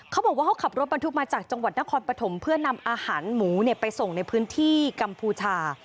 เขาบอกว่าเขาขับรถบรรทุกมาจากจังหวัดนครปฐมเพื่อนำอาหารหมูไปส่งในพื้นที่กัมพูชา